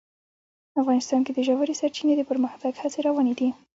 افغانستان کې د ژورې سرچینې د پرمختګ هڅې روانې دي.